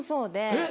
えっ！